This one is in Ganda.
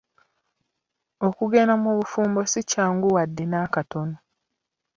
Okugenda mu bufumbo si kyangu wadde n'akatono.